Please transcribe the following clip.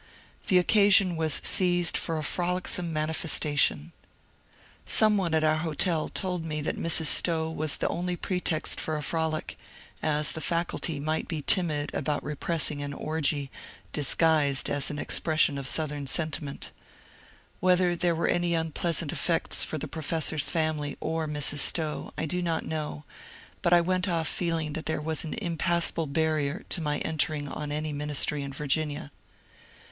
The occasion was seized for a frolicsome manifestation. Some one 194 MONCURE DANIEL CONWAY at our hotel told me that Mrs. Stowe was only the pretext for a frolic, as the Faculty might be timid about repressing an orgie disguised as an expression of Southern sentiment. Whether there were any unpleasant effects for the professor's family or Mrs. Stowe I do not know, but I went off feeling that there was an impassable barrier to my entering on any ministry in Virginia.